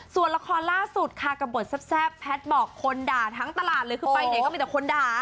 ส่วนละครล่าสุดค่ะกับบทแซ่บแพทย์บอกคนด่าทั้งตลาดเลยคือไปไหนก็มีแต่คนด่า